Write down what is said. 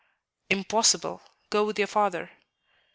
"Impossible. Go with your father."